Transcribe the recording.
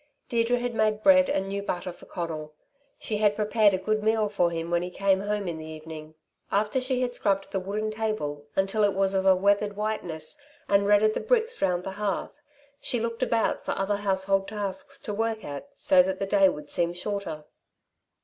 Deirdre had made bread and new butter for Conal. She had prepared a good meal for him when he came home in the evening. After she had scrubbed the wooden table until it was of a weathered whiteness, and redded the bricks round the hearth, she looked about for other household tasks to work at so that the day would seem shorter.